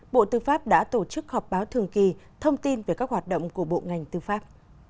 bộ tư pháp đã tổ chức họp báo thường kỳ thông tin về các hoạt động của bộ ngành tư pháp